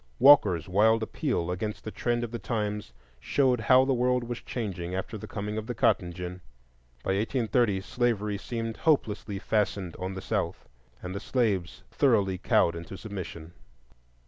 Walker's wild appeal against the trend of the times showed how the world was changing after the coming of the cotton gin. By 1830 slavery seemed hopelessly fastened on the South, and the slaves thoroughly cowed into submission.